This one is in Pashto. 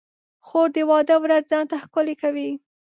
خور د واده ورځ ځان ته ښکلې کوي.